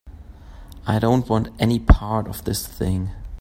I don't want any part of this thing.